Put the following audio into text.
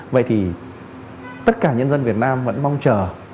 vậy thì tất cả nhân dân việt nam vẫn mong chờ